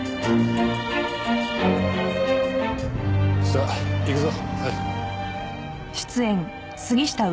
さあ行くぞ。